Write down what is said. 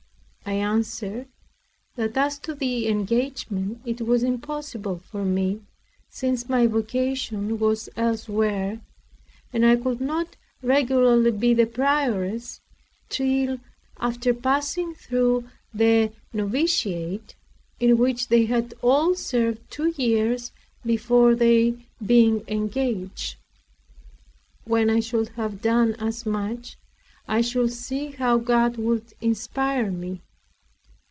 I answered, that as to the engagement it was impossible for me, since my vocation was elsewhere. And I could not regularly be the prioress, till after passing through the novitiate, in which they had all served two years before their being engaged. When I should have done as much, I should see how God would inspire me.